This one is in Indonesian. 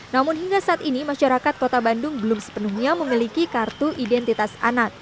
namun hingga saat ini masyarakat kota bandung belum sepenuhnya memiliki kartu identitas anak